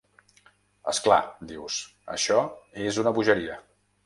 És clar, dius, això és una bogeria.